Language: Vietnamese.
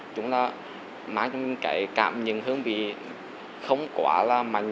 chúng là mang cái cảm nhận hương vị không quá là mạnh